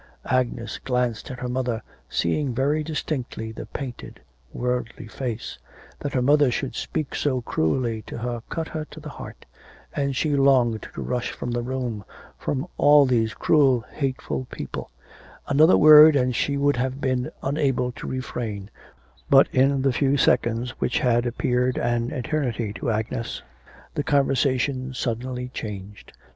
Agnes glanced at her mother, seeing very distinctly the painted, worldly face. That her mother should speak so cruelly to her cut her to the heart: and she longed to rush from the room from all these cruel, hateful people; another word and she would have been unable to refrain, but in the few seconds which had appeared an eternity to Agnes, the conversation suddenly changed.